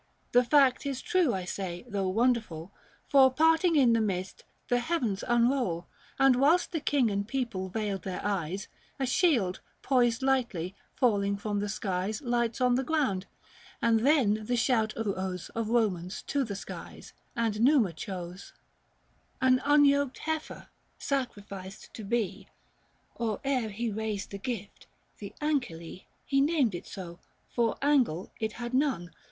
The fact is true, I say — though wonderful — For, parting in the midst, the heavens unroll And, whilst the King and people veiled their eyes, A shield, poised lightly, falling from the skies, 400 Lights on the ground ;— and then the shout arose Of Komans to the skies ; and Numa chose Book III. THE FASTI. 81 An unyoked heifer, sacrificed to be, Or ere he raised the Gift — the Ancile ; He named it so, for angle it had none.